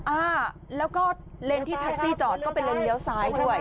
อ่าแล้วก็เลนส์ที่แท็กซี่จอดก็เป็นเลนเลี้ยวซ้ายด้วย